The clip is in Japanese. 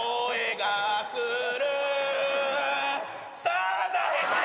「サザエさん」